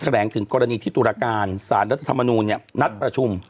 แถลงถึงกรณีทิตุรกาลสารรัฐมนุษย์เนี่ยนัดประชุม